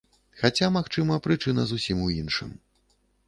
Хаця, магчыма, прычына зусім у іншым.